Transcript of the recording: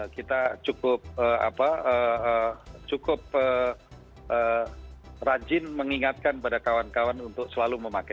kita cukup rajin mengingatkan pada kawan kawan untuk selalu memakai